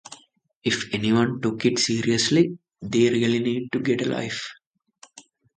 If anyone took it seriously, they really need to get a life.